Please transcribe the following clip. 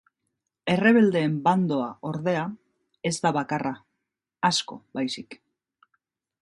Errebeldeen bandoa, ordea, ez da bakarra, asko baizik.